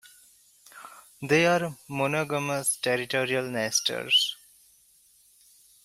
They are monogamous, territorial nesters.